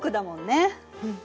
うん。